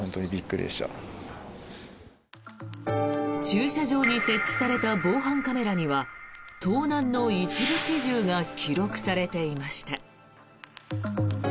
駐車場に設置された防犯カメラには盗難の一部始終が記録されていました。